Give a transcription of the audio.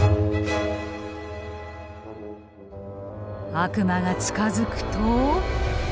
悪魔が近づくと。